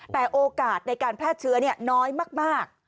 แต่โอกาสในการแพร่เชื้อน้อยมาก